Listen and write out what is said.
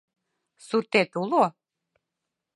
— Суртет уло?